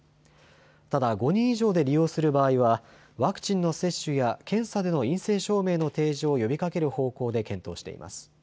ただ５人以上で利用する場合はワクチンの接種や検査での陰性証明の提示を呼びかける方向で検討しています。